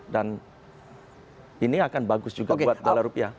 dan ini akan bagus juga buat dolar rupiah